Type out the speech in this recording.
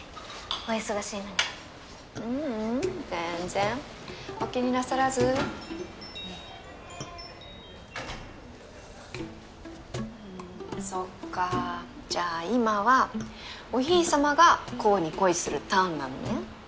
お忙しいのにううん全然お気になさらずふんそっかじゃあ今はお姫様が煌に恋するターンなのね